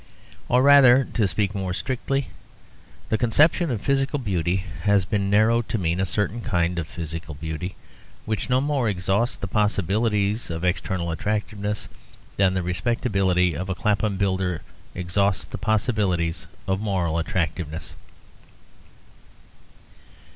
Or rather, to speak more strictly, the conception of physical beauty has been narrowed to mean a certain kind of physical beauty which no more exhausts the possibilities of external attractiveness than the respectability of a Clapham builder exhausts the possibilities of moral attractiveness.